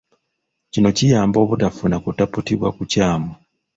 Kino kiyamba obutafuna kutaputibwa kukyamu.